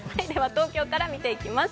東京から見ていきます。